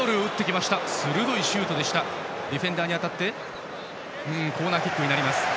ディフェンダーに当たりコーナーキックです。